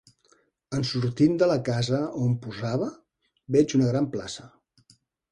En sortint de la casa on posava, veig una gran plaça